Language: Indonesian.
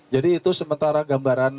jadi itu sementara gambaran